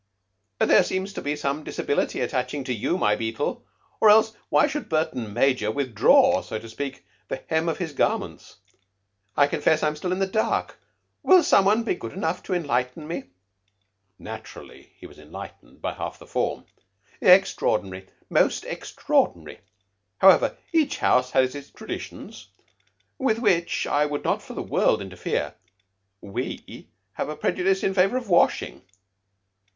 "There seems to be some disability attaching to you, my Beetle, or else why should Burton major withdraw, so to speak, the hem of his garments? I confess I am still in the dark. Will some one be good enough to enlighten me?" Naturally, he was enlightened by half the form. "Extraordinary! Most extraordinary! However, each house has its traditions, with which I would not for the world interfere. We have a prejudice in favor of washing.